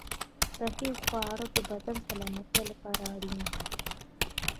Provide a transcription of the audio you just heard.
صحي خواړه د بدن سلامتیا لپاره اړین دي.